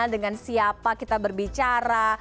dengan siapa kita berbicara